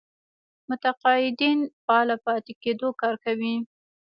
متقاعدين فعاله پاتې کېدو کار کوي.